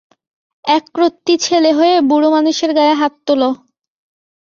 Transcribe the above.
একরত্তি ছেলে হয়ে বুড়োমানুষের গায়ে হাত তোল!